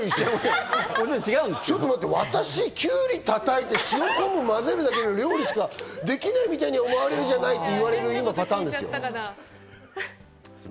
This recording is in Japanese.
ちょっと待って、私、きゅうりたたいて塩昆布まぜるだけの料理しかできないみたいに思われじゃないって言われるパターンですよ。